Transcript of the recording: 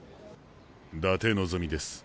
伊達望です。